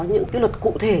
những cái luật cụ thể